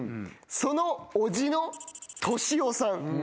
そのおじの俊夫さん。